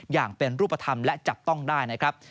อย่างเป็นรูปธรรมและจับต้องได้นะครับ